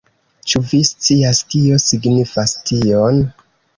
Ĉu vi scias kio signifas tion?